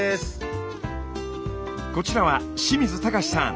こちらは清水貴志さん。